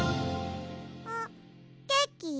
あっケーキ？